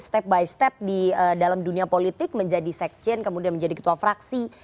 step by step di dalam dunia politik menjadi sekjen kemudian menjadi ketua fraksi